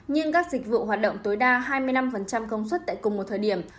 nhưng các dịch vụ hoạt động tối đa hai mươi năm công suất tại cùng một thời điểm